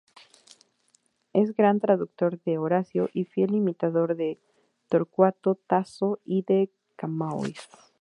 Es gran traductor de Horacio, y fiel imitador de Torcuato Tasso y de Camões.